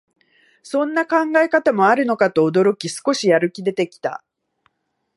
そんな考え方もあるのかと驚き、少しやる気出てきた